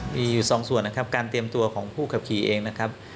มีอยู่สองส่วนนะครับการเตรียมตัวของผู้ขับขี่เองนะครับ